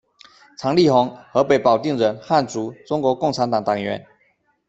常丽虹，河北保定人，汉族，中国共产党党员。